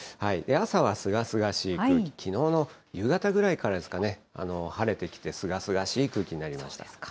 朝はすがすがしい空気、きのうの夕方ぐらいからですかね、晴れてきてすがすがしい空気になりました。